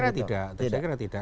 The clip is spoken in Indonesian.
saya kira tidak